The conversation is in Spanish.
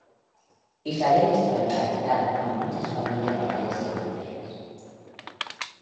Isabel estaba emparentada con muchas familias reales europeas.